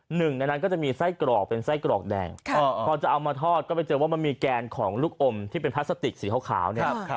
หนึ่งในนั้นก็จะมีไส้กรอบเป็นไส้กรอบแดงก็มีแกนของลูกอมสีขาวเนี้ย